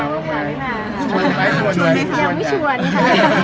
ยังไม่ชวนยังไม่ชวน